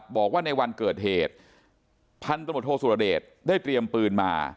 บอกว่าในวันเกิดเหตุพันธมตโทษสุรเดชได้เตรียมปืนมา